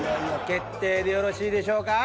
決定でよろしいでしょうか？